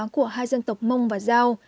của hai dân tộc mông và giao